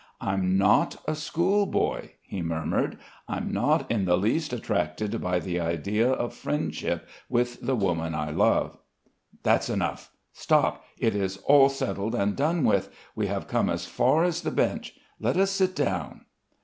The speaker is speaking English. "I'm not a schoolboy," he murmured. "I'm not in the least attracted by the idea of friendship with the woman I love." "That's enough. Stop! It is all settled and done with. We have come as far as the bench. Let us sit down...."